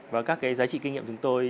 và các cái giá trị kinh nghiệm chúng tôi